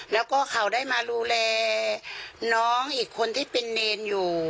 แล้วก็เขาได้มาดูแลน้องอีกคนที่เป็นเนรอยู่